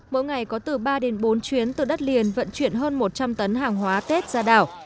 mỗi ngày có từ ba đến bốn chuyến từ đất liền vận chuyển hơn một trăm linh tấn hàng hóa tết ra đảo